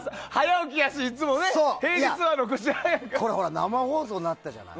生放送になったじゃない。